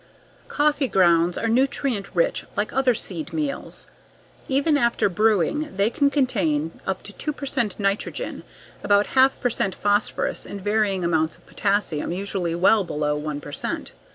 Coffee grounds are nutrient rich like other seed meals. Even after brewing they can contain up to 2 percent nitrogen, about 1/2 percent phosphorus and varying amounts of potassium usually well below 1 percent.